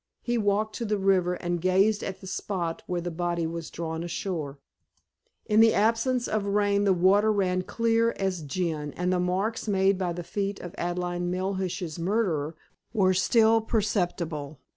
He walked to the river, and gazed at the spot where the body was drawn ashore. In the absence of rain the water ran clear as gin, and the marks made by the feet of Adelaide Melhuish's murderer were still perceptible.